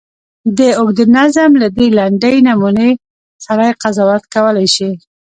د اوږده نظم له دې لنډې نمونې سړی قضاوت کولای شي.